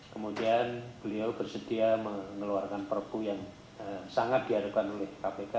kemudian beliau bersedia mengeluarkan perpu yang sangat diadakan oleh kpk